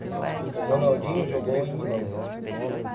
O Ronaldinho jogou em Milão.